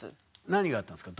何があったんですか？